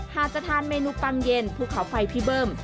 หากจะทานเมนูปังเย็นภูเขาไฟพี่เบิ้ม